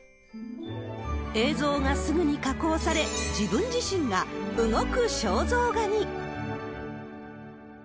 映像がすぐに加工され、自分自身が動く肖像画に。